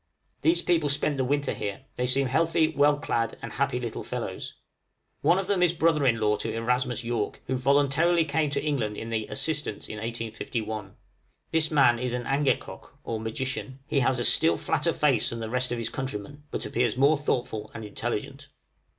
These people spent the winter here; they seemed healthy, well clad, and happy little fellows. One of them is brother in law to Erasmus York, who voluntarily came to England in the 'Assistance' in 1851. This man is an angekok, or magician; he has a still flatter face than the rest of his countrymen, but appears more thoughtful and intelligent.